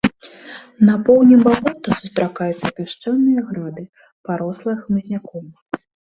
На поўдні балота сустракаюцца пясчаныя грады, парослыя хмызняком.